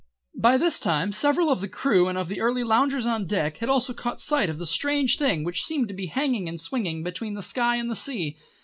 By this time several of the crew and of the early loungers on deck had also caught sight of the strange thing which seemed to be hanging and swinging between the sky and the sea.